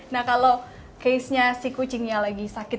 nah kalau kucingnya lagi sakit